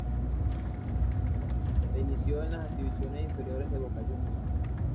Se inició en las divisiones inferiores de Boca Juniors.